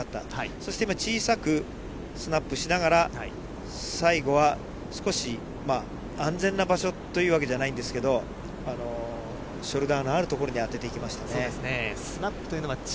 そして今、小さくスナップしながら、最後は少し安全な場所というわけじゃないんですけど、ショルダーのある所に当てていきましたね。